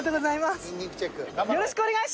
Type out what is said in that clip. よろしくお願いします！